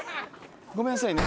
ごめんなさいね。